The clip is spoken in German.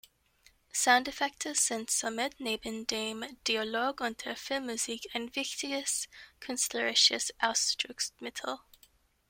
Soundeffekte sind somit neben dem Dialog und der Filmmusik ein wichtiges künstlerisches Ausdrucksmittel.